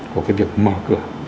của cái việc mở cửa